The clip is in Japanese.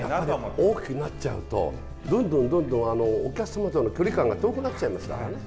大きくなっちゃうとどんどんどんどんお客様との距離感が遠くなっちゃいますからね。